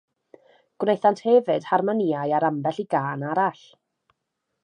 Gwnaethant hefyd harmonïau ar ambell i gân arall.